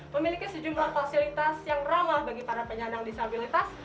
memiliki sejumlah fasilitas yang ramah bagi para penyandang disabilitas